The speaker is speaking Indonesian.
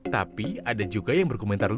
tapi ada juga yang berkomentar